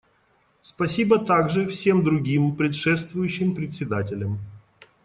Спасибо также всем другим предшествующим председателям.